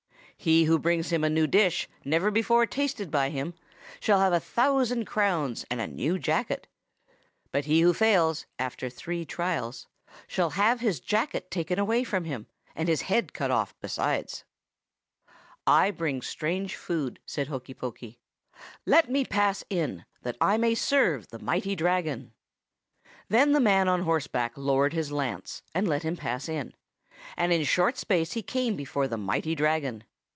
He who brings him a new dish, never before tasted by him, shall have a thousand crowns and a new jacket; but he who fails, after three trials, shall have his jacket taken away from him, and his head cut off besides.' "'I bring strange food,' said Hokey Pokey. 'Let me pass in, that I may serve the mighty Dragon.' "Then the man on horseback lowered his lance, and let him pass in, and in short space he came before the mighty Dragon.